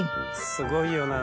すごいよな